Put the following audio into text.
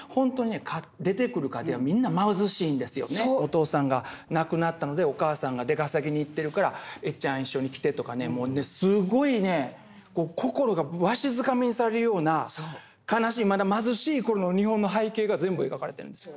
お父さんが亡くなったのでお母さんが出稼ぎに行ってるからエッちゃん一緒に来てとかねすごいね心がわしづかみにされるような悲しいまだ貧しいこの日本の背景が全部描かれてるんですよ。